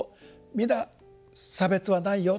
皆差別はないよ。